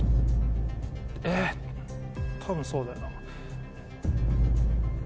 多分そうだよな。